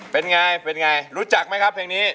เป็นไงเป็นไงลุกทราบตัวนี้